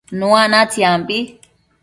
Nua natsiambi